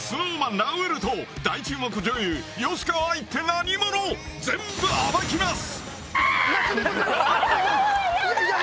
ラウールと大注目女優吉川愛って何者⁉全部暴きます